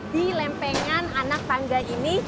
di lempengan anak tangga ini